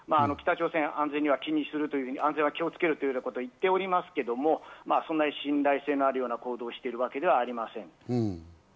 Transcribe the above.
北朝鮮、安全には気にする、気をつけるというのことを言っていますが、そんなに信頼性のあるような行動しているわけではありません。